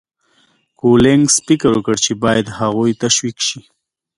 کولینز فکر وکړ چې باید هغوی تشویق شي.